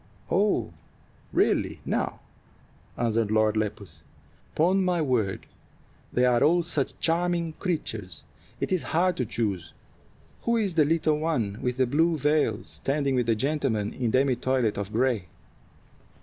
"Aw, really now!" answered Lord Lepus. "'Pon my word, they are all such charming creatures, it is hard to choose. Who is the little one with the blue veil standing with the gentleman in demi toilet of gray?"